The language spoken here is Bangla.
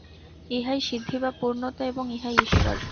ইহাই সিদ্ধি বা পূর্ণতা এবং ইহাই ঈশ্বর।